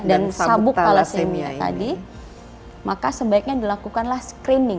dan sabuk thalassemia tadi maka sebaiknya dilakukan screening